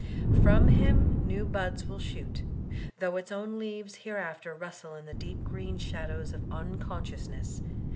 From him new buds will shoot, though its own leaves here after rustle in the deep green shadows of unconscious ness.